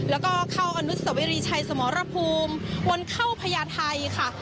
แล้วก็เข้าอนุสวรีชัยสมรภูมิวนเข้าพญาไทยค่ะ